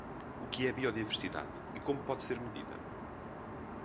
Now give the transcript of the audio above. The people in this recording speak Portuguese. O que é biodiversidade e como pode ser medida?